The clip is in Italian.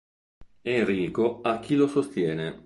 Enrico ha chi lo sostiene.